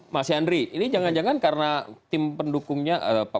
mas yandri ini jangan jangan karena tim pendukungnya